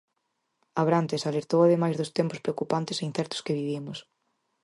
Abrantes alertou ademais dos tempos preocupantes e incertos que vivimos.